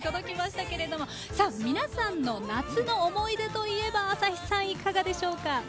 皆さんの夏の思い出といえばアサヒさん、いかがでしょうか。